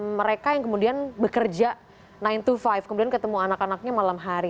mereka yang kemudian bekerja sembilan to lima kemudian ketemu anak anaknya malam hari